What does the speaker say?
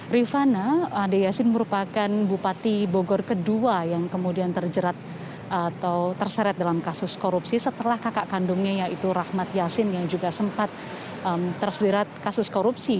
rifana ade yasin merupakan bupati bogor kedua yang kemudian terjerat atau terseret dalam kasus korupsi setelah kakak kandungnya yaitu rahmat yasin yang juga sempat terseret kasus korupsi